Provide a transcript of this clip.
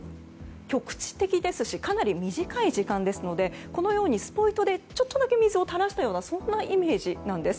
局地的ですしかなり短い時間ですのでこのようにスポイトでちょっとだけ水を垂らしたようなイメージなんです。